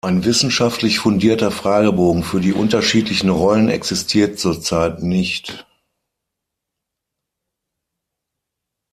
Ein wissenschaftlich fundierter Fragebogen für die unterschiedlichen Rollen existiert zurzeit nicht.